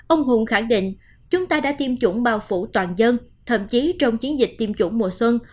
ông hùng khẳng định chúng ta đã tiêm chủng bao phủ toàn dân thậm chí trong chiến dịch tiêm chủng mùa xuân